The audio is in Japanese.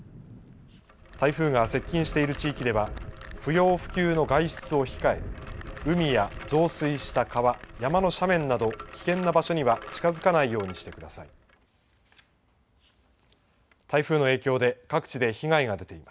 台風が接近している地域では、不要不急の外出を控え、海や増水した川、山の斜面など、危険な場所には近づかないようにしてください。